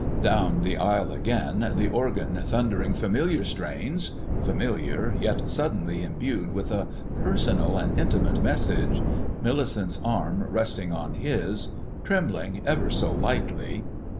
Down the aisle again, the organ thundering familiar strains—familiar, yet suddenly imbued with a personal and intimate message,—Millicent's arm resting on his, trembling ever so lightly....